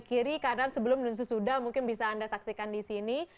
kiri karena sebelum nunsuh sudah mungkin bisa anda saksikan disini